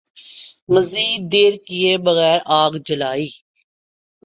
مزید دیر کئے بغیر آگ جلائی ۔